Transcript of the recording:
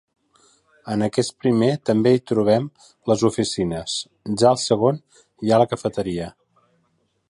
En aquest primer, també hi trobem les oficines; ja al segon, hi ha la cafeteria.